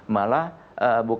malah bukan didukung